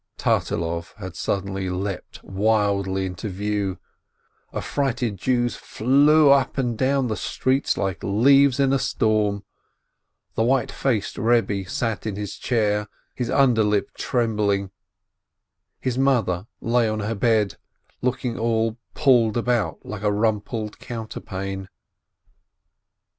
Tartilov had suddenly leapt wildly into view, affrighted Jews flew up and down the street like leaves in a storm, the white faced Eebbe sat in his chair, his under lip trembling, his mother lay on her bed, looking all pulled about like a rumpled counterpane.